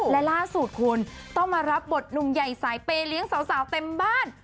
และล่าสุดคุณต้องมารับบทหนุ่มใหญ่สายเปย์เลี้ยงสาวเต็มบ้าน